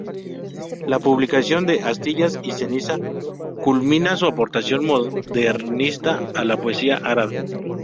La publicación de "Astillas y ceniza", culmina su aportación modernista a la poesía árabe.